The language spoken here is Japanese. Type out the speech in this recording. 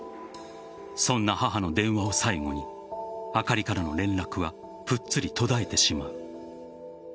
そんな母の電話を最後にあかりからの連絡はぷっつり途絶えてしまう。